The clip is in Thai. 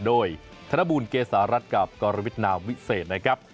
โดยธนบูลเกษารัฐกับกรวิทนามวิเศษนะครับ